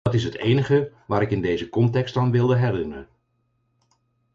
Dat is het enige waar ik in deze context aan wilde herinneren.